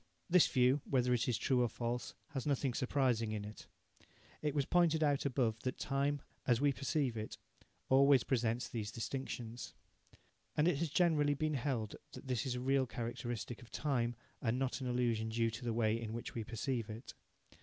This view, whether it is true or false, has nothing surprising in it. It was pointed out above that time, as we perceive it, always presents these distinctions. And it has generally been held that this is a real characteristic of time, and not an illusion due to the way in which we perceive it.